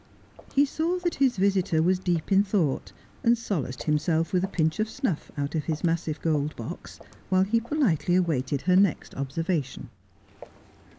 He saw that his visitor was deep in thought, and solaced him self with a pinch of snuff out of his massive gold box, while he politely awaited her next observation.